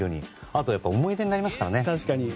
あとは思い出になりますからね。